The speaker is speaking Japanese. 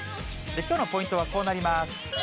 きょうのポイントはこうなります。